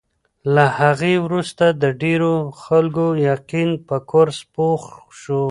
له هغې وروسته د ډېرو خلکو یقین په کورس پوخ شو.